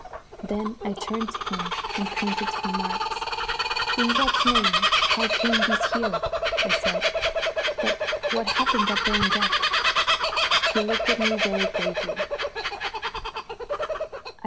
Then I turned to him and pointed to the marks. "In God's name, how came these here?" I said. "What what happened up there on deck?" He looked at me very gravely.